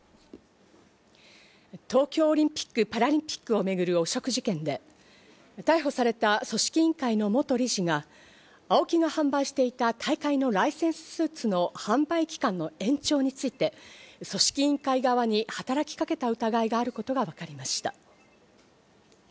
東京オリンピック・パラリンピックを巡る汚職事件で、逮捕された組織委員会の元理事が、ＡＯＫＩが販売していた大会のライセンススーツの販売期間の延長について組織委員会側に働きかけた疑いがあることがわかりました。